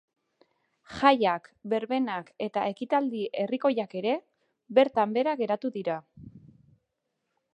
Jaiak, berbenak eta ekitaldi herrikoiak ere bertan behera geratu dira.